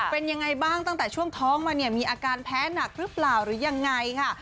เป็นยังไงบ้างตั้งแต่ช่วงท้องมาเนี่ยมีอาการแพ้หนักหรือเปล่าหรือยังไงค่ะ